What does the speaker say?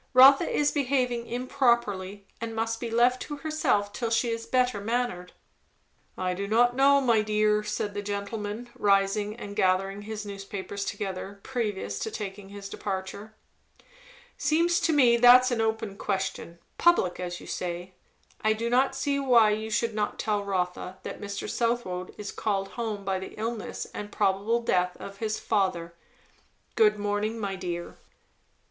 Rotha is behaving improperly, and must be left to herself till she is better mannered." "I don't know, my dear," said the gentleman, rising and gathering his newspapers together, previous to taking his departure. "'Seems to me that's an open question public, as you say. I do not see why you should not tell Rotha that Mr. Southwode is called home by the illness and probable death of his father. Good morning, my dear!"